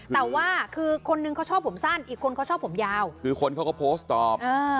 แต่ว่าคือคนนึงเขาชอบผมสั้นอีกคนเขาชอบผมยาวคือคนเขาก็โพสต์ตอบ